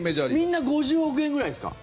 みんな５０億円ぐらいですか？